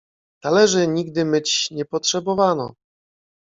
"Talerzy nigdy myć nie potrzebowano."